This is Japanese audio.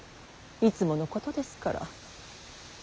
いつものことですから。